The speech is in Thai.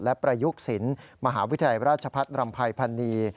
และประยุกต์ศิลป์มหาวิทยาลัยราชพัฒน์รำภัยพันนี